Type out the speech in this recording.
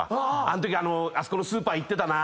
あの時あそこのスーパー行ってたなとか。